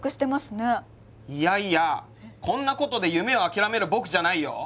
いやいやこんなことで夢を諦める僕じゃないよ。